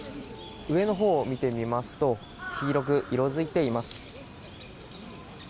上のほうを見てみますと黄色く色づいています。